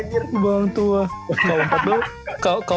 jadil banget gua muba anjir